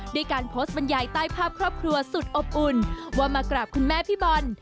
ด้วยการโพสต์บรรยายใต้ภาพครอบครัวสุดอบอุ่นว่ามากราบคุณแม่พี่บอล